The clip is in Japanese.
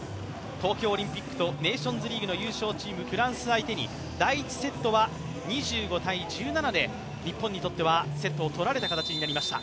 東京オリンピックとネーションズリーグの優勝チーム、フランス相手に第１セットは２５−１７で、日本にとってはセットを取られた形となりました。